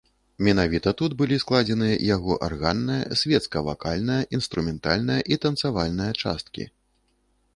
Менавіта тут былі складзеныя яго арганная, свецкая-вакальная, інструментальная і танцавальная часткі.